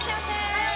はい！